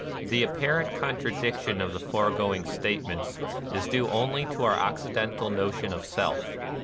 The apparent contradiction of the forego ing statements is due only to our Occidental notion of Self.